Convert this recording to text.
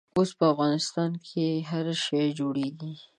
اوس په افغانستان کښې هر شی جوړېږي.